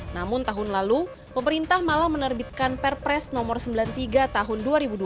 namun tahun lalu pemerintah malah menerbitkan perpres nomor sembilan puluh tiga tahun dua ribu dua puluh satu